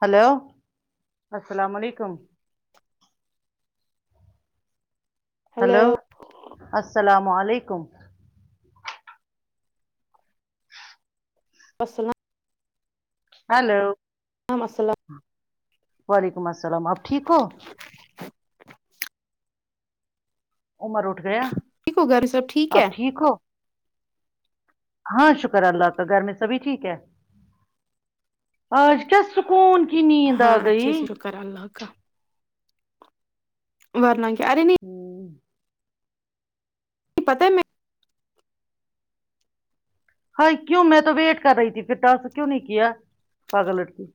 hello السلام علیکم hello hello السلام علیکم وسلام ہیلو ہاں مسئلہ وعلیکم السلام آپ ٹھیک ہو امر اٹھ گیا ٹھیک ہو گھر سب ٹھیک ہے آپ ٹھیک ہو ہاں شکر اللہ کا گھر میں سبھی ٹھیک ہے آج کیا سکون کی نیند ہاں آ گئی اچھے سے شکر اللہ کا ورنا کیا ارے نہیں ہوں پتا ہے مے ہاے کیوں میں تو ویٹ کر رہی تھی پھر ٹاس کیوں نہیں کیا پاگل لڑکی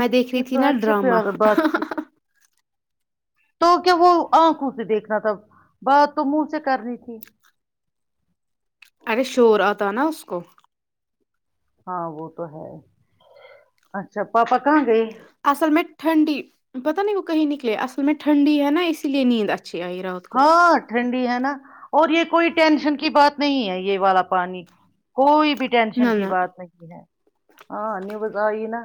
میں دیکھ کی رہی تھی تو نا اچھا ڈرامہ پیار بات تھی تو کیا وہ آنکھوں سے دیکھنا تھا بات تو منہ سے کرنی تھی ارے شور آتا نا اس کو ہاں وہ تو ہے اچھا پاپا کہاں گئے اصل میں ٹھنڈی پتتا نہیں وہ کہیں نکلے اصل میں ٹھنڈی ہے نا اسی لیے نیند اچھی آئی رات کو ہاں ٹھنڈی ہے نا اور یہ کوئی ٹینشن کی بات نہیں ہے یہ والا پانی کوئی بھی ٹینشن نہ کی نہ بات نہیں ہے ہاں نیوز آئی نا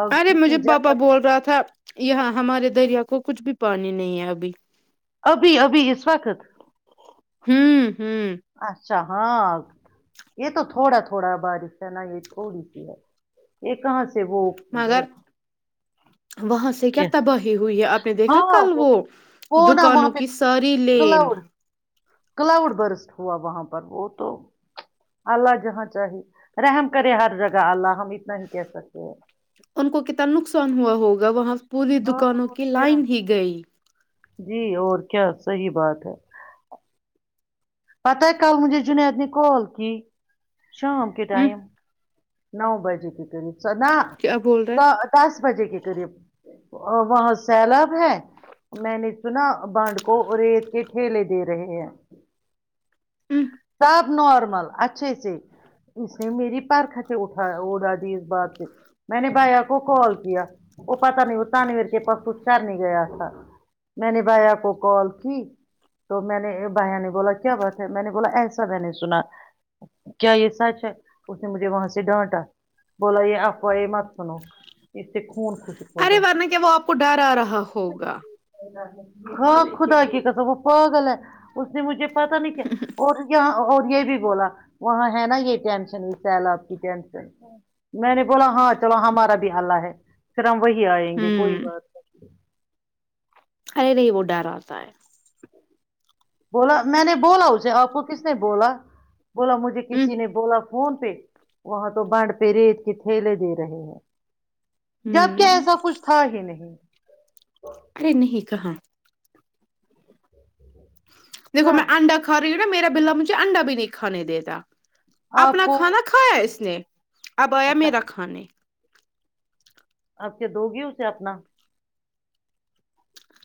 اب ارے مجھے کسی پاپا جگہ بول رہا تھا یہاں ہمارے دریا کو کچھ بھی پانی نہیں ہے ابھی ابھی ابھی اس وقت امم امم اچھا ہاں یہ تو تھوڑا تھوڑا بارش ہے نا یہ تھوڑی سی ہے یہ کہاں سے وہ آ، مگر وہاں سے کیا تباہی ہوئی ہے آپ نے دیکھا کل وہ وہ نا وہاں دکانوں پہ کی ساری لین کلاؤڈ کلاؤڈ برس ہوا وہاں پر وہ تو اللہ جہاں چاہے رحم کرے ہر جگہ اللہ ہم اتنا ہی کہہ سکتے ہیں ان کو کتنا نقصان ہوا ہوگا وہاں پوری ہاں دکانوں اور کی کیا لائن ہی گئی جی اور کیا صحیح بات ہے پتا ہے کل مجھے جنید نے کال کی شام ہ کےٹائم نو بجے کے قریب سنا کیا بول رہے دس بجے کے قریب آ وہاں سیلاب ہے میں نے سنا بانڈ کو ریت کے ٹھیلے دے رہے ہیں ہ سب نارمل اچھے سے اس نے میری پرکھٹ اٹھایا وہ دادی اس بات سے میں نے بھیا کو کال کیا وہ پتا نہیں ہو تانویر کے پرسو کچھ کر نے گیا تھا میں نے بھیا کو کال کی تو میں نے بھیا نے بولا کیا بات ہے میں نے بولا ایسا میں نے سنا کیا یہ سچ ہے اس نے مجھے وہاں سے ڈانٹا بولا یہ آپ وہ یہ مت سنو اسے خون خشک ارے ہوگا ورنہ کیا وہ آپ کو ڈر آ رہا ہوگا ہاں خدا کی قسم وہ پاگل ہے اس نے مجھے پتا نہیں کیا اور یہاں اور یہ بھی بولا وہاں ہے نا یہ ٹینشن یہ سیلاب ٹینشن میں نے بولا ہاں چلو ہمارا بھی حلہ ہے پھر ہم وہی آئیں گے کوئی ہوں بات نہیں ارے وہ ڈر آتا ہے بولا میں نے بولا اسے آپ کو کس نے بولا بولا مجھے ہ کسی نے بولا فون پہ وہاں تو بانڈ پہ ریت کے تھیلے دے رہے ہیں جب کہ ہ ایسا کچھ تھا ہی نہیں کرے نہیں کہاں دیکھو میں سب انڈا کھا رہی ہوں نا میرا بلا مجھے انڈا بھی نہیں کھانے دیتا آپ اپنا کو کھانا کھایا اس نے اب آیا اچھا میرا کھانے اب کیا دو گی اسے اپنا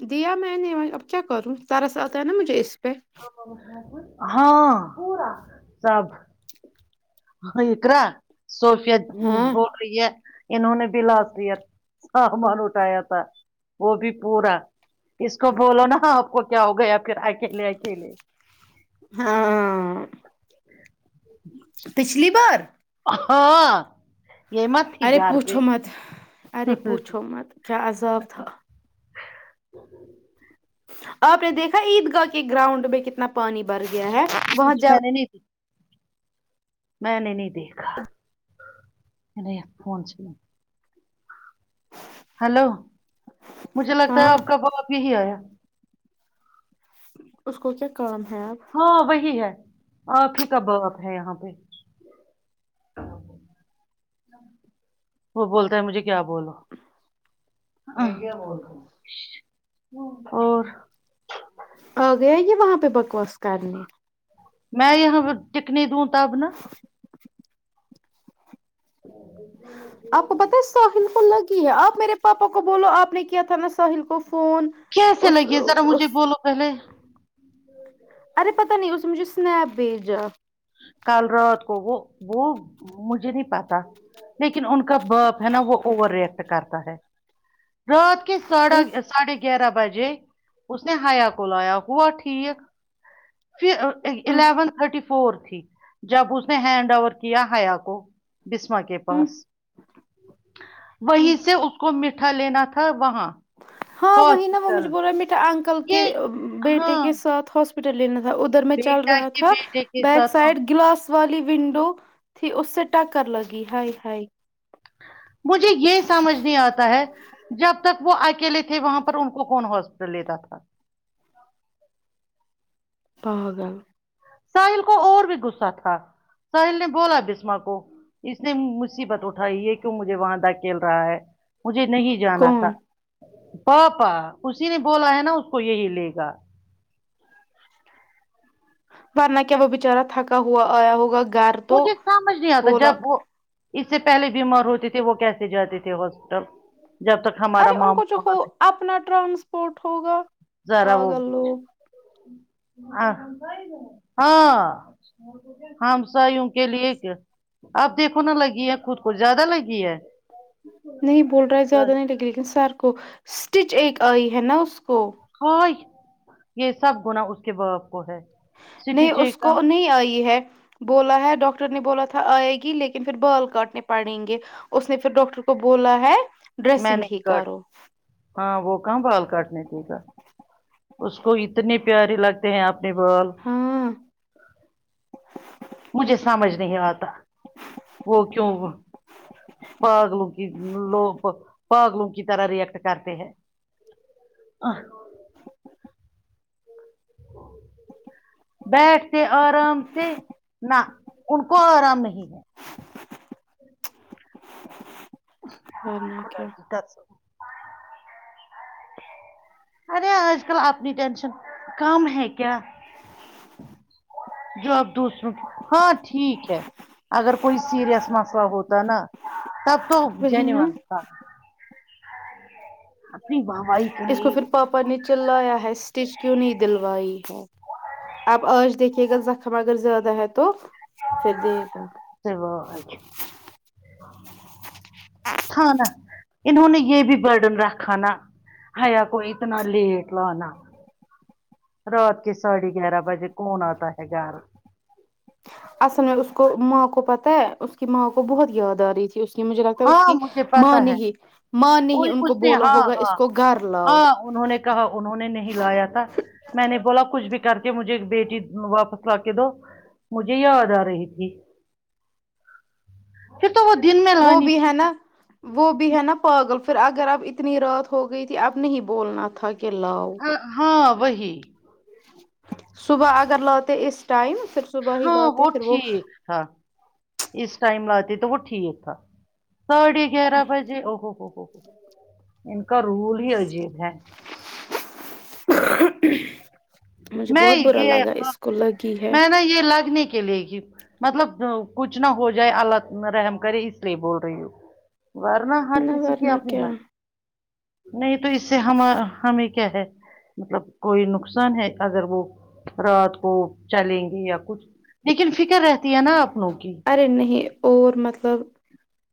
دیا میں نے اب کیا کروں ترس آتا ہے نا مجھے اس پہ ہاں سب اقرا صوفیہ ہاں بول رہی ہے انہوں نے بھی لاسٹ ایئر سامان اٹھایا تھا وہ بھی پورا اس کو بولو نا آپ کو کیا ہو گیا پھر اکیلے اکیلے ہاں پچھلی بار ہاں یہ مت تھی ارے گھر پہ پوچھو مت ارے پوچھو مت کیا عذاب تھا آپ نے دیکھا عید گاہ کے گراؤنڈ میں کتنا پانی بھر گیا ہے وہاں مجھے زیا میں نہیں ت [unintelligible] میں نے نہیں دیکھا فون سنا ہلو مجھے لگتا ہے ہاں آپ کا باؤ ابھی ہی آیا اس کو کیا کام ہے اب ہاں وہی ہے آپ ہی کا باپ ہے یہاں پہ وہ بولتا ہے مجھے کیا بولو اور آ گیا یہ وہاں پہ بکواس کرنے میں یہاں ٹکنی دوں تاب نا آپ کو پتا ہے ساحل کو لگی ہے آپ میرے پاپا کو بولو آپ نے کیا تھا نا ساحل کو فون کیسے اس لگی ذرا مجھے اس بولو پہلے ارے پتا نہیں اس نے مجھے سنیپ بھیجا کل رات کو وہ وہ مجھے نہیں پاتا لیکن ان کا باپ ہے نا وہ اوور رییکٹ کرتا ہے رات کے ساڑھا پھر ساڑھے گیارہ بجے اس نے حیا کو لایا ہوا ٹھیک پھر الیون تھرٹی فور ت جب اس نے ہینڈ اوور کیا حیا کو بسما کے پاس وہیں سے اس کو میٹھا لینا تھا وہاں ہاں وہی نا وہ مجھے ہاسپٹل بول رہا ہے میٹے انکل کے یہ ہاں بیٹے کے ساتھ ہاس لینا تھا ادھر میں چل بیٹا رہا کے تھا بیٹے کے بیک ساتھ ہاں سائڈ گلاس والی ونڈو تھی اس سے ٹکر لگی ہائی ہائی مجھے یہ سمجھ نہیں آتا ہے جب تک وہ اکیلے تھے وہاں پر ان کو کون ہاسپٹل لیتا تھا پاگل ساحل کو اور بھی غصہ تھا ساحل نے بولا بسما کو اس نے مصیبت اٹھائی یہ کیوں مجھے وہاں داکھیل رہا ہے مجھے نہیں جانا تھا کون پاپا اسی نے بولا ہے نا اس کو یہی لے گا ورنہ کیا وہ بچارا تھکا ہوا آیا ہوگا گھر تو مجھے سمجھ نہیں آتا بولا جب وہ اس سے پہلے بیمار ہوتے تھے وہ کیسے جاتے تھے ہاسپٹل جب تک ہمارا ارے ان ماموں کو جو وہاں ہو نہیں- اپنا ٹرانسپورٹ ہوگا پاگل لوگ آ ہاں ہم کے لیے آپ دیکھو نہا لگی ہے خود کو زیادہ لگی ہے نہیں بول رہا ہے زیادہ نہیں لگی لیکن سر کو اسٹچ ایک آئی ہے نا اس کو ہاں یہ سب گنا اس کے باپ کو ہے سٹی نہیں اس چکن کو نہیں آئی ہے بولا ہے ڈاکٹر نے بولا تھا آئے گی لیکن پھر بال کاٹنے پڑیں گے اس نے پھر ڈاکٹر کو بولا ہے میں ڈریسنگ نہیں ہی کاٹ کرو ہاں وہ کہاں بال کاٹنے کی گا اس کو اتنے پیارے لگتے ہیں اپنے بال ہاں مجھے سمجھ نہیں آتا وہ کیوں پاگلوں کی لوگ پاگلوں کی طرح ریئیکٹ کرتے ہیں [unintelligible] [unintelligible] بیٹھتے آرام سے نہ ان کو آرام نہیں ہے ورنہ کیا [unintelligible] ارے آج کل اپنی ٹینشن کم ہے کیا جواب دوسروں کی ہاں ٹھیک ہے اگر کوئی سیریس مسئلہ ہوتا نا تب تو وہی نا [unintelligible] اپنی واہ وائی اس کو پھر پاپا نے چلایا ہے اسٹچ کیوں نہیں دلوائی ہے آپ آج دیکھیے گا زخم اگر زیادہ ہے تو پھر دے گا تھانہ انہوں نے یہ بھی برڈن رکھا نا حیا کو اتنا لیٹ والا رات کے ساڑھے گیارہ بجے کون آتا ہے گار اصل میں اس کو ماں کو پتہ ہے اس کی ماں کو بہت یاد آ رہی تھی اس کہ مجھے لگتا ہے اس ہاں کی مجھے ماں پتا نے ہے ہی ماں نے اور ہی ان کو اس نے بولا ہاں ہوگا اس ہاں کو گھر لاؤ ہاں انہوں نے کہا انہوں نے نہیں لایا تھا میں نے بولا کچھ بھی کر کے مجھے بیٹی واپس لا کے دو مجھے یاد آ رہی تھی کی تو وہ دن میں وہ لانی بھی تھی ہے نا وہ بھی ہے نا پاگل پھر اگر اب اتنی رات ہو گئی تھی اب نہیں بولنا تھا پلاؤ ہاں وہی صبح اگر لاتے اس ٹائم پھر صبح ہی ہاں وہ لاتے پھر ٹھیک تھا اس ٹائم لاتے تو وہ ٹھیک تھا ساڑھے گیارہ بجے او ان کا رول ہی عجیب ہے مجھے میں بہت برا یہ لگا اس کو لگی ہے میں نا یہ لگنے کے لیے کی مطلب کچھ نہ ہو جائے اللہ رحم کرے اس لیے بول رہی ہوں ورنہ ہر کسی کی ورنہ اپنی کیا مرزی نہیں تو اس سے ہم ہمیں کیا ہے مطلب کوئی نقص نقصان ہے اگر وہ رات کو چلیں گے یا کچھ لیکن فکر رہتی ہے نا اپنو کی ارے نہیں اور مطلب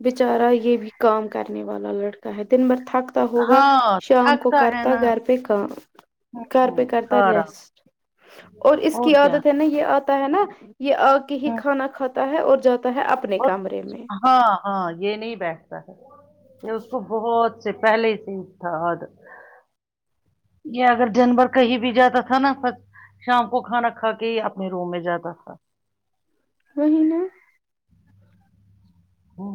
بچارا یہ بھی کام کرنے والا لڑکا ہے دن بھر تھک ہوگا ہاں شام کو تھکتا ہے کرتا نا گھر پہ کام گھر پہ ہوں کرتا آرام ریسٹ اور اس کی عادت ہے نا یہ آتا ہے نا یہ آگ ہی ہوں کھانا کھاتا ہے اور جاتا ہے اپنے اور کمرے میں ہاں ہاں یہ نہیں بیھتا ہے اس کو بہت سے پہلے سے ہی تھا یہ اگر جانور کہیں بھی جاتا تھا نا شام کو کھانا کھا کے ہی اپنے روم میں جاتا تھا وہ نا ہاں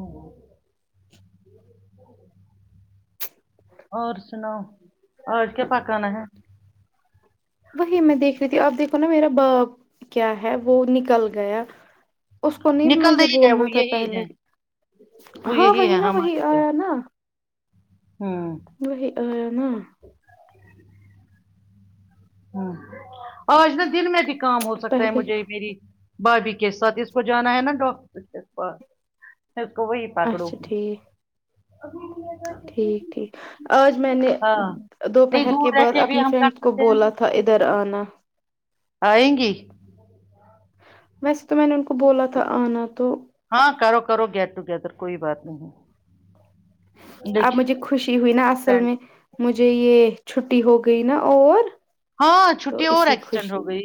اور سناؤ اج کیا پکانا ہے وہی میں دیکھ رہی تھی آپ دیکھو نا میرا باپ کیا ہے وہ نکل گیا اس کو نہیں نکل مجھے رہی ہے بولنا وہ تھا یہی پہلے ہے وہ ہاں یہی وہی ہے نا وہی آیا نا ہاں وہی آیا نا ہاں آج نا دن میں بھی کام ہو سکتا ہے پہلے مجھے میری بھابھی کے ساتھ اس کو جانا ہے نا ڈاکٹر کے پاس اسکو وہی پکڑو اچھا ٹھیک ٹھیک ٹھیک آج میں نے ہاں نہیں دوپہر کے دور رہ بعد بھی اپنی ہم کر فرینڈ کو سکتے ہیں بولا نا تھا ادھر آنا آئیں گی ویسے تو میں نے ان کو بولا تھا آنا تو ہاں کرو کرو گیٹ ٹوگیدر کوئی بات نہیں ہے اب مجھے خوشی ہوئی نا اصل فرینڈ میں مجھے یہ چھٹی ہو گئی نا اور ہاں تو چھٹی اور اسی ایکسٹینڈ خوشی ہو میں گئی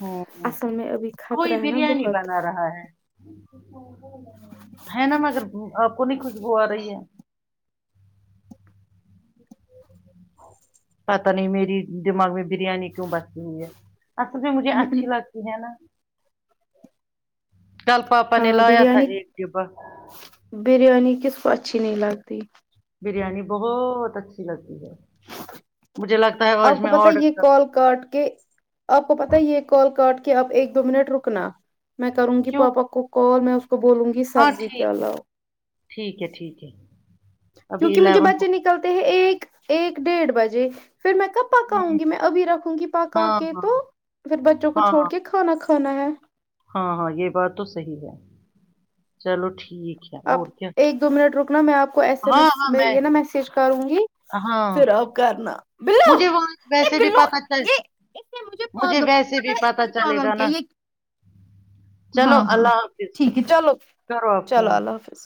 ہاں اصل میں ابھی کوئی خطرہ ہے نا بریانی بہت بنا رہا ہے ہے نا مگر آپ کو نہیں خوشبو آ رہی ہے پتہ نہیں میری دماغ میں بریانی کیوں بسی ہوئی ہے اصل میں مجھے اچھی لگتی ہے نا کل پاپا نے ہاں لایا تھا بریانی ایک ڈبا بریانی کس کو اچھی نہیں لگتی بریانی بہت اچھی لگتی ہے مجھے لگتا ہے آج آپ کو میں پتا ہے آرڈر یہ کر کال کاٹ کے آپ کو پتا یہ کال کاٹ کے اپ ایک دو منٹ رکنا میں کروں گی کیوں پاپا کو کال میں اس کو بولوں گی ہاں سبزی ٹھیک کیا لاؤ ٹھیک ہے ٹھیک ہے ابھی کیونکہ مجھے الیون ہو بچے نکلتے ہیں ایک ایک ڈیڑھ بجے پھر میں کب گئے، پکاؤں گی میں ابھی رکھوں گی پکا ہاں کے ہاں تو پھر بچوں کو ہاں چھوڑ کے کھانا کھانا ہے ہاں ہاں یہ بات تو صحی ہے چلو ٹھیک ہے آپ اور کیا ایک دو منٹ روکنا میں آپ کو ایس ایم ہاں ایس ہاں میں یہ نا میسیج کروں گی ہاں پھر آ پ کرنا بلو مجھے وہاں یہ ویسے بھی بلو پتا چل یہ اس نے مجھے پاگل آپ کو ویسے پتہ بھی ہے اس نے پتا مجھے چلے پاگل گا کیا نا یہ چلو ہاں ہاں اللہ حافظ ٹھیک ہے چلو کرو آپ چلو فون اللہ حافظ